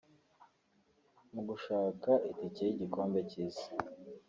Mu gushaka itike y’igikombe cy’isi